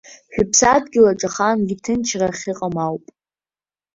Шәыԥсадгьылаҿ ахаангьы ҭынчра ахьыҟам ауп.